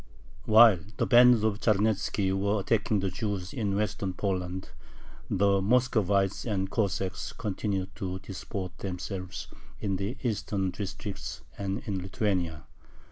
While the bands of Charnetzki were attacking the Jews in Western Poland, the Muscovites and Cossacks continued to disport themselves in the eastern districts and in Lithuania.